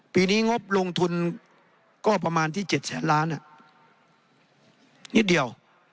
ปีนี้งบลงทุนก็ประมาณที่๗แสนล้านนิดเดียว